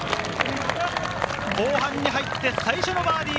後半に入って最初のバーディー。